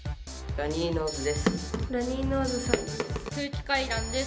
ラニーノーズです。